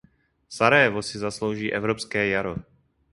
Sarajevo si zaslouží evropské jaro.